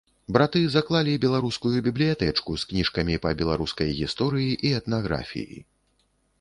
Браты заклалі беларускую бібліятэчку з кніжкамі па беларускай гісторыі і этнаграфіі.